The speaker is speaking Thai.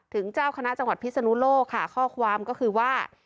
เจ้าคณะจังหวัดพิศนุโลกค่ะข้อความก็คือว่า